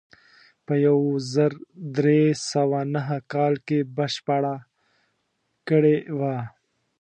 په یو زر درې سوه نهه کال کې بشپړه کړې وه.